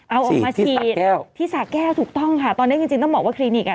เอาออกมาฉีดที่สาแก้วถูกต้องค่ะตอนนี้จริงจริงต้องบอกว่าคลินิกอ่ะ